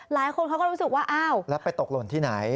หลายคนเขาก็รู้สึกว่าอ้าวแล้วไปตกหล่นที่ไหน